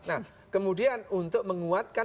nah kemudian untuk menguatkan